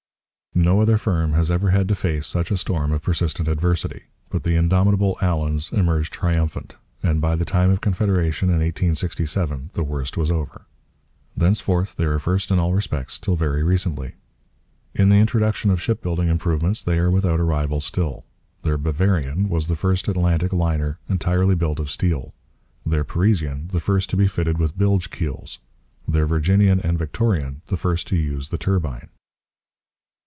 No other firm has ever had to face such a storm of persistent adversity. But the indomitable Allans emerged triumphant; and by the time of Confederation, in 1867, the worst was over. Thenceforth they were first in all respects till very recently. In the introduction of shipbuilding improvements they are without a rival still. Their Bavarian was the first Atlantic liner entirely built of steel; their Parisian the first to be fitted with bilge keels; their Virginian and Victorian the first to use the turbine.